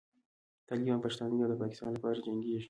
طالبان پښتانه دي او د پاکستان لپاره جنګېږي.